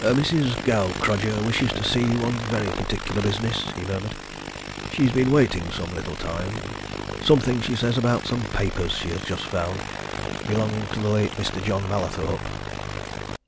"A Mrs. Gaukrodger wishes to see you on very particular business," he murmured. "She's been waiting some little time something, she says, about some papers she has just found belonging to the late Mr. John Mallathorpe."